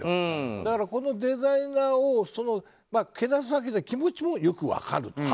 だから、このデザイナーをけなすわけじゃないけどその気持ちもよく分かる。